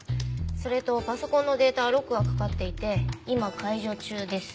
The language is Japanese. それとパソコンのデータはロックがかかっていて今解除中です。